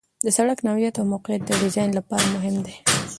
د سرک نوعیت او موقعیت د ډیزاین لپاره مهم دي